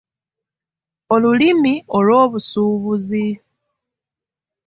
Olulimi olw'obusuubuzi.